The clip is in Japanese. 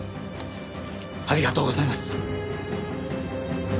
ありがとうございます。